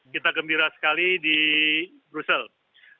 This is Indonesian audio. kita gembira sekali di brussels